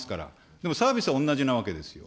でもサービスはおんなじなわけですよ。